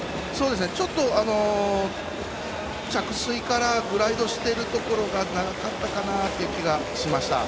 ちょっと着水から動いているところがあったかなという気がしました。